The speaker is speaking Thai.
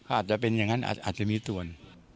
อาจจะเป็นอย่างนั้นอาจจะมีส่วน